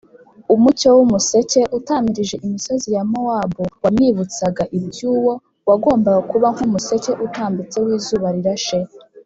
. Umucyo w’umuseke, utamirije imisozi ya Mowabu, wamwibutsaga iby’Uwo wagombaga kuba nk’ ‘‘umuseke utambitse w’izuba rirashe